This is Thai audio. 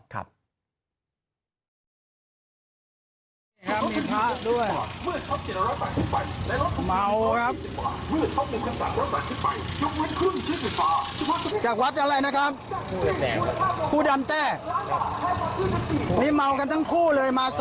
กาลุ้นผมเนี่ย